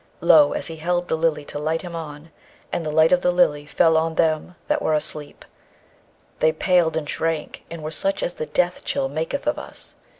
Lo, as he held the Lily to light him on, and the light of the Lily fell on them that were asleep, they paled and shrank, and were such as the death chill maketh of us.